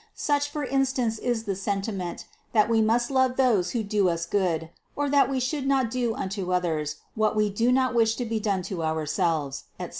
Such for instance is the senti ment, that we must love those who do us good, or that we should not do unto others, what we do not wish to be done to ourselves, etc.